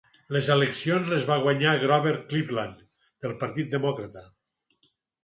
Les eleccions les va guanyar Grover Cleveland del Partit Demòcrata.